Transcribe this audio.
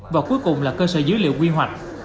và cuối cùng là cơ sở dữ liệu quy hoạch